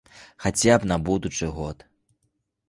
Хаця б на будучы год.